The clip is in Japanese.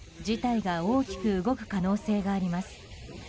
事態が大きく動く可能性があります。